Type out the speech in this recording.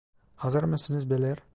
Hazır mısınız beyler?